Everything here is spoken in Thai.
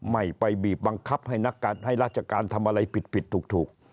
ไม่ไปบีบบังคับให้นักให้ราชการทำอะไรผิดถูก